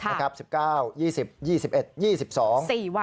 ๔วัน